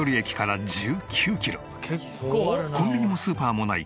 コンビニもスーパーもない